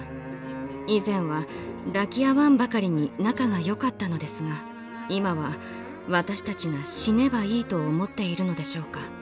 以前は抱き合わんばかりに仲がよかったのですが今は私たちが死ねばいいと思っているのでしょうか。